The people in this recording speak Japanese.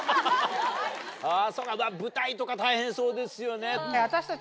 そうか舞台とか大変そうですよね。